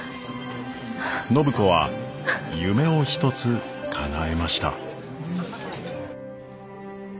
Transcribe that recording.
暢子は夢を一つかなえました。